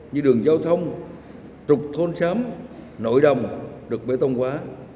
như đường giao thông trục thôn sám nội đồng đực bể tông quá